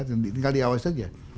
tinggal diawas saja